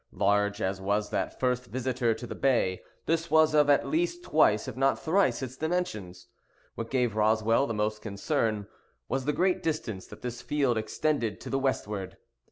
Large as was that first visitor to the bay, this was of at least twice if not of thrice its dimensions. What gave Roswell the most concern was the great distance that this field extended to the westward.